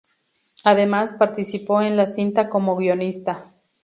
Además, participó en la cinta como guionista.